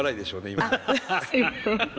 今。